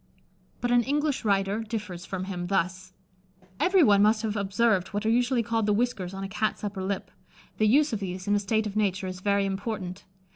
But an English writer differs from him; thus: "Every one must have observed what are usually called the "whiskers" on a Cat's upper lip. The use of these, in a state of nature, is very important.